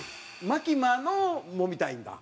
マキマのを揉みたいんだ？